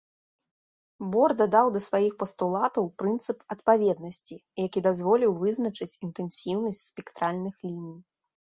Бор дадаў да сваіх пастулатаў прынцып адпаведнасці, які дазволіў вызначыць інтэнсіўнасць спектральных ліній.